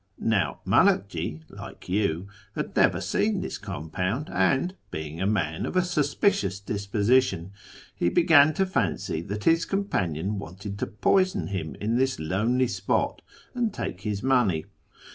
Now Manakji (like you) had never seen this compound, 176 A YEAR AMONGST THE PERSIANS aiul (being a man of a suspicious disposition) he began to fancy that his companion wanted to poison liiiu in lliis lonely spot, and take his money.